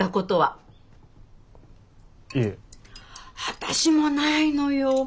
私もないのよ。